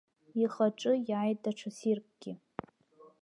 Ихаҿы иааиит даҽа ссиркгьы.